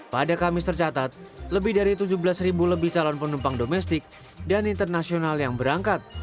pada kamis tercatat lebih dari tujuh belas ribu lebih calon penumpang domestik dan internasional yang berangkat